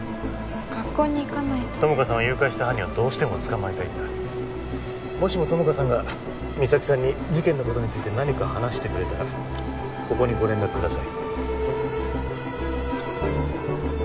学校に行かないと友果さんを誘拐した犯人をどうしても捕まえたいんだもしも友果さんが実咲さんに事件のことについて何か話してくれたらここにご連絡ください